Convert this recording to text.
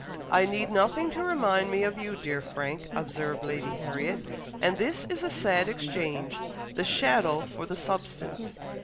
"I need nothing to remind me of you, dear Frank," observed Lady Harriet, "and this is a sad exchange, the shadow for the substance."